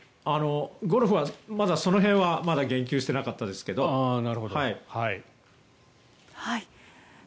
ゴルフはまだその辺はまだ言及してなかったですけど。